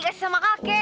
gak sih sama kakek